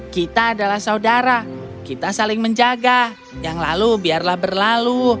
kita adalah saudara kita saling menjaga yang lalu biarlah berlalu